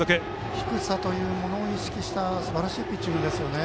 低さというものを意識したすばらしいピッチングですよね。